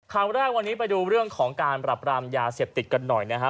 ข่าวแรกวันนี้ไปดูเรื่องของการปรับรามยาเสพติดกันหน่อยนะฮะ